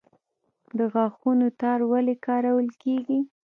د غاښونو تار ولې کارول کیږي؟